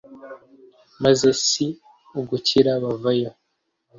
maze si ugukira bavayo.